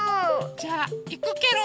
じゃあいくケロ。